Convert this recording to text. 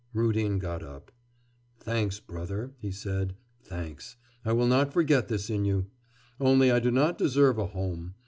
Rudin got up. 'Thanks, brother,' he said, 'thanks! I will not forget this in you. Only I do not deserve a home.